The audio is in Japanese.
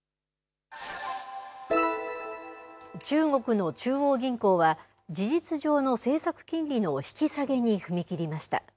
中国の中央銀行は、事実上の政策金利の引き下げに踏み切りました。